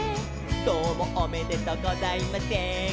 「どうもおめでとうございません」